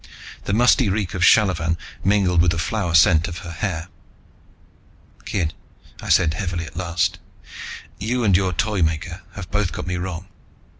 The musty reek of shallavan mingled with the flower scent of her hair. "Kid," I said heavily at last, "you and your Toymaker have both got me wrong.